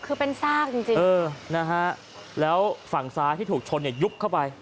คือเป็นซากจริงจริงเออนะฮะแล้วฝั่งซ้ายที่ถูกชนเนี่ยยุบเข้าไป